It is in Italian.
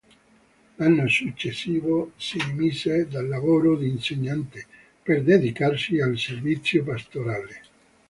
L'anno successivo si dimise dal lavoro di insegnante per dedicarsi al servizio pastorale.